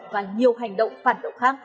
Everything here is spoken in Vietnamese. và nhiều hành vi